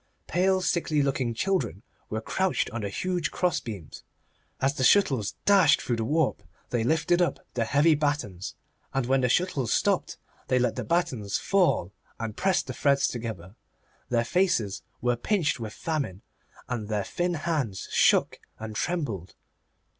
Pale, sickly looking children were crouched on the huge crossbeams. As the shuttles dashed through the warp they lifted up the heavy battens, and when the shuttles stopped they let the battens fall and pressed the threads together. Their faces were pinched with famine, and their thin hands shook and trembled.